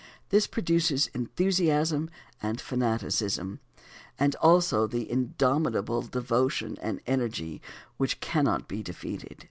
This produces enthusiasm and fanaticism, and also the indomitable devotion and energy which cannot be defeated.